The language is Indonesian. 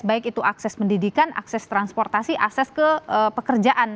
baik itu akses pendidikan akses transportasi akses ke pekerjaan